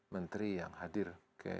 menteri yang hadir ke